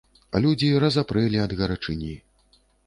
Людзі разапрэлі ад гарачыні.